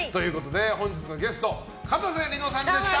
本日のゲストかたせ梨乃さんでした！